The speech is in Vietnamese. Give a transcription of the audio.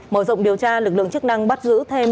mở rộng điều tra lực lượng chức năng bắt giữ thêm